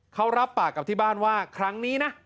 เขารับปากกับที่บ้านว่าครั้งนี้นะ